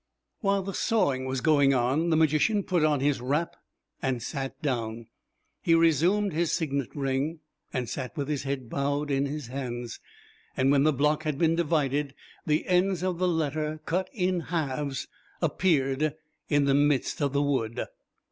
While the sawing was going on, the magician put on his wrap and sat down. He resumed his signet ring, and sat with his head bowed in his hands. When the block had been divided, the ends of the letter, cut in halves, appeared in the midst of the wood.